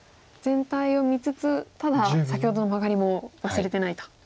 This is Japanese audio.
全体を見つつただ先ほどのマガリも忘れてないと。